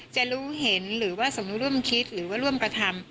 จะรู้เห็นหรือว่าสมรู้ร่วมคิดหรือว่าร่วมกระทำ